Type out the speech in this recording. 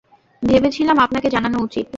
ভেবেছিলাম আপনাকে জানানো উচিৎ।